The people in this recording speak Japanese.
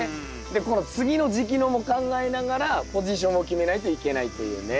でこの次の時期のも考えながらポジションを決めないといけないというね。